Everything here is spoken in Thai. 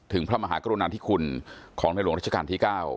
พระมหากรุณาธิคุณของในหลวงรัชกาลที่๙